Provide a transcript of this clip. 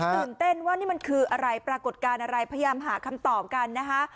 ตื่นเต้นว่านี่มันคืออะไรปรากฏการณ์อะไรพยายามหาคำตอบกันนะคะ